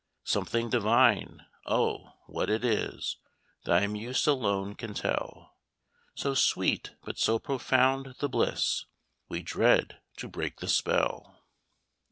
"Something divine Oh! what it is Thy muse alone can tell, So sweet, but so profound the bliss We dread to break the spell."